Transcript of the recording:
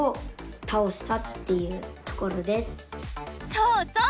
そうそう！